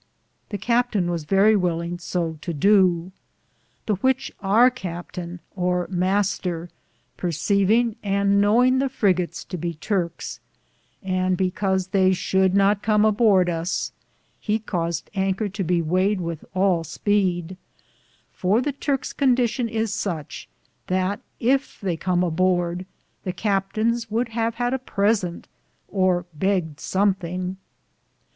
The captaine was verrie willinge so to dow, The which our captaine, or Mr., persavinge, and knowing the frigotes to be Turkes, and because theye should not come a borde us, he caused Anker to be wayed with all speede ; for the Turk's condi tion is suche that, yf they come a borde, the captaines would have had a presente, or have beged somthinge.